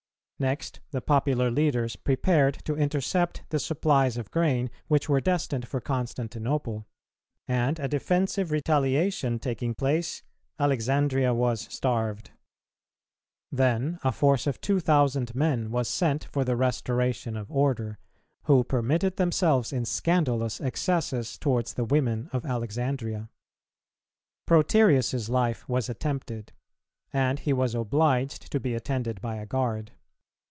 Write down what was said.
Next, the popular leaders prepared to intercept the supplies of grain which were destined for Constantinople; and, a defensive retaliation taking place, Alexandria was starved. Then a force of two thousand men was sent for the restoration of order, who permitted themselves in scandalous excesses towards the women of Alexandria. Proterius's life was attempted, and he was obliged to be attended by a guard.